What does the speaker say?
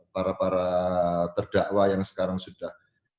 para para terdakwa yang sekarang sudah